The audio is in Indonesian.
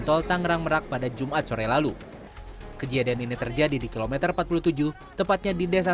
tol tangerang merak pada jumat sore lalu kejadian ini terjadi di kilometer empat puluh tujuh tepatnya di desa